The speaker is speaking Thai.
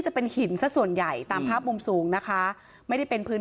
จะเป็นหินสักส่วนใหญ่ตามภาพมุมสูงนะคะไม่ได้เป็นพื้น